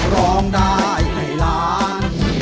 ร้องได้ให้ล้าน